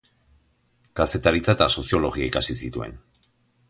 Kazetaritza eta soziologia ikasi zituen.